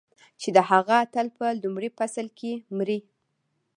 چې د هغه اتل په لومړي فصل کې مري.